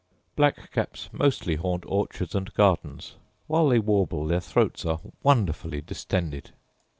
Black caps mostly haunt orchards and gardens; while they warble their throats are wonderfully distended.